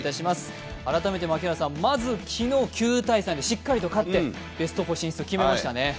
改めてまず昨日、９−３でしっかりと勝ってベスト４進出、決まりましたね。